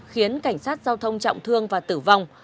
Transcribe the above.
khiến cảnh sát giao thông trọng thương và tử vong